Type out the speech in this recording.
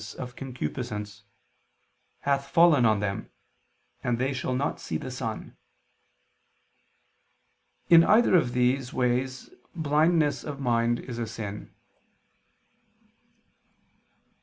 of concupiscence, "hath fallen on them and they shall not see the sun." In either of these ways blindness of mind is a sin.